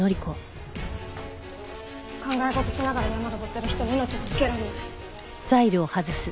考え事しながら山登ってる人に命は預けられない。